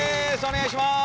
お願いします。